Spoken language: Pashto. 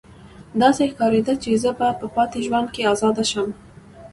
داسې ښکاریده چې زه به په پاتې ژوند کې ازاده شم